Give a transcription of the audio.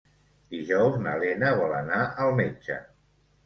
Dijous na Lena vol anar al metge.